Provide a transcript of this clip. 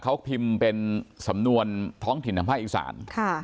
เขาพิมเป็นสำนวนท้องถิ่นธรรมภาคอีกษาน